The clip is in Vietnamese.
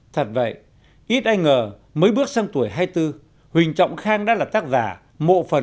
thật vậy ít ai ngờ mới bước sang tuổi hai mươi bốn huỳnh trọng khang đã là tác giả